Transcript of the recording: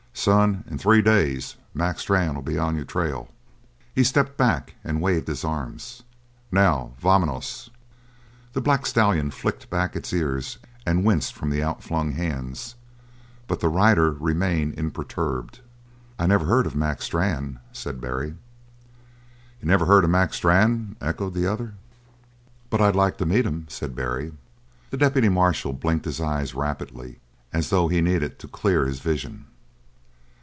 Son, in three days Mac Strann'll be on your trail!" He stepped back and waved his arms. "Now, vamos!" The black stallion flicked back its ears and winced from the outflung hands, but the rider remained imperturbed. "I never heard of Mac Strann," said Barry. "You never heard of Mac Strann?" echoed the other. "But I'd like to meet him," said Barry. The deputy marshal blinked his eyes rapidly, as though he needed to clear his vision.